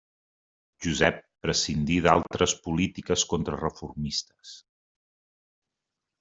Josep prescindí d'altres polítiques contrareformistes.